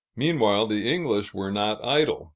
Meanwhile, the English were not idle.